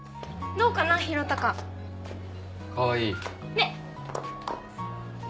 ねっ！